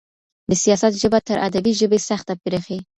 د سياست ژبه تر ادبي ژبي سخته برېښي.